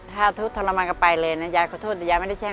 ถ้าทุกข์ทรมานก็ไปเลยนะยายขอโทษแต่ยายไม่ได้แจ้ง